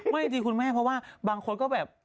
ไม่จริงคุณแม่เพราะว่าบางคนก็แบบ